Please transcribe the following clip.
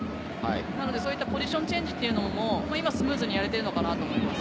ポジションチェンジも今スムーズにやれているのかなと思います。